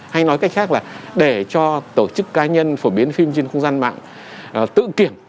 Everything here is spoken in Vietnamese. hay nói cách khác là để cho tổ chức cá nhân phổ biến phim trên không gian mạng tự kiểm